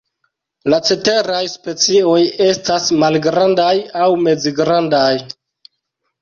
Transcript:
La ceteraj specioj estas malgrandaj aŭ mezgrandaj.